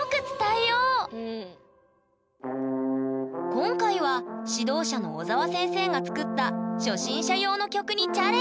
今回は指導者の小澤先生が作った初心者用の曲にチャレンジ！